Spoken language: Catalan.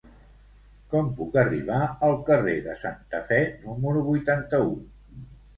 Com puc arribar al carrer de Santa Fe número vuitanta-u?